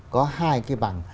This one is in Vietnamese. có hai cái bằng